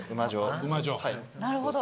なるほど。